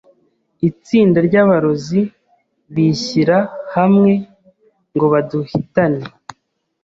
itsinda ry’abarozi bishyira hamwe ngo baduhitane